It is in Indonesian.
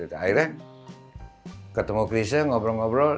akhirnya ketemu chrisha ngobrol ngobrol